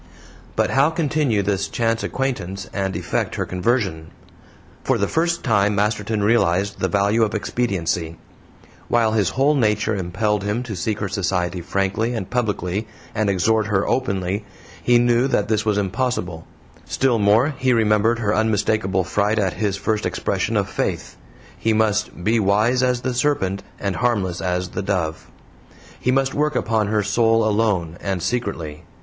But how continue this chance acquaintance and effect her conversion? For the first time Masterton realized the value of expediency; while his whole nature impelled him to seek her society frankly and publicly and exhort her openly, he knew that this was impossible; still more, he remembered her unmistakable fright at his first expression of faith; he must "be wise as the serpent and harmless as the dove." He must work upon her soul alone, and secretly.